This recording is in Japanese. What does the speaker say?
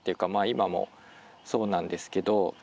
今もそうなんですけど。